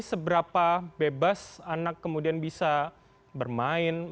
seberapa bebas anak kemudian bisa bermain